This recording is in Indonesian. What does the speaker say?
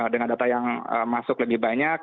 dengan data yang masuk lebih banyak